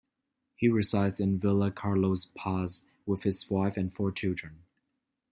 He resides in Villa Carlos Paz with his wife and four children.